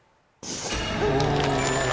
お。